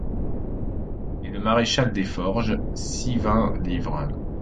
Et le maréchal des forges, six vingts livres!